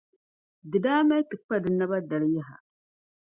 di daa mali ti kpa di naba dali yaha.